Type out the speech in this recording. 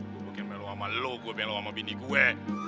gue bukan melu sama lo gue melu sama bini gue